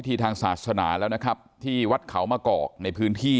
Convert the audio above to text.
ก่อพิธีทางศาสนาแล้วนะครับที่วัดเขามะเกาะในพื้นที่นะครับ